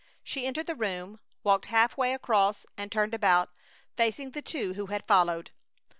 She entered the room, walked half way across, and turned about, facing the two who had followed.